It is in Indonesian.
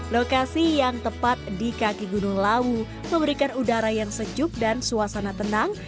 lokasi yang tepat di kaki gunung lawu memberikan udara yang sejuk dan suasana tenang